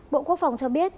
bộ quốc phòng cho biết